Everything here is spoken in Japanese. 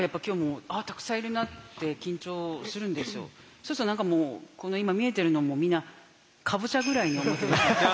そうすると何かもうこの今見えてるのも皆かぼちゃぐらいに思ってます。